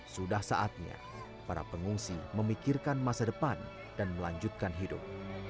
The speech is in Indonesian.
sudah saatnya para pengungsi memikirkan masa depan dan melanjutkan hidup